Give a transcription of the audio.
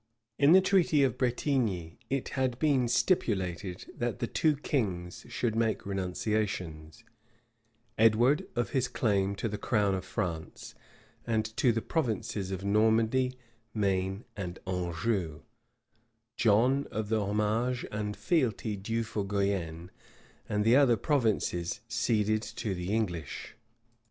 [*] In the treaty of Bretigm it had been stipulated, that the two kings should make renunciations; Edward, of his claim to the crown of France, and to the provinces of Normandy, Maine, and Anjou; John, of the homage and fealty due for Guienne and the other provinces ceded to the English.